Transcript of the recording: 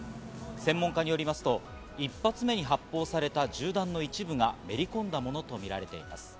専門家によりますと一発目に発砲された銃弾の一部がめり込んだものとみられています。